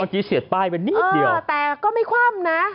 เสียดป้ายไปนิดเดียวแต่ก็ไม่คว่ำนะ